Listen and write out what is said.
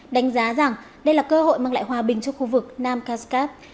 đánh giá rằng đây là cơ hội mang lại hòa bình cho khu vực nam kaskap